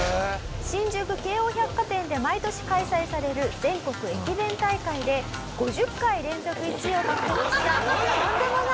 新宿京王百貨店で毎年開催される全国駅弁大会で５０回連続１位を獲得したとんでもない商品。